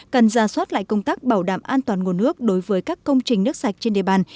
cần ra soát lại công tác bảo đảm an toàn nguồn nước đối với các công trình nước sạch trên địa bàn